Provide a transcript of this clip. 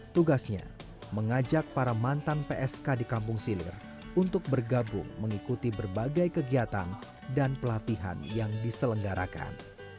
tugasnya mengajak para mantan psk di kampung silir untuk bergabung mengikuti berbagai kegiatan dan pelatihan yang diselenggarakan